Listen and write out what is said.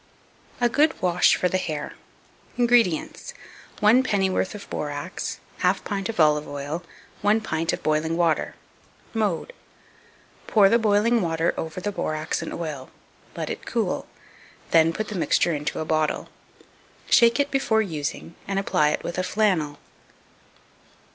A good Wash for the Hair. 2252. INGREDIENTS. 1 pennyworth of borax, 1/2 pint of olive oil, 1 pint of boiling water. Mode. Pour the boiling water over the borax and oil; let it cool; then put the mixture into a bottle. Shake it before using, and apply it with a flannel.